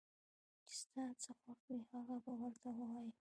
چې ستا څه خوښ وي هغه به ورته ووايو